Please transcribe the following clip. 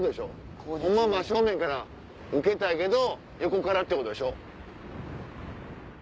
ホンマは真正面から受けたいけど横からってことでしょ。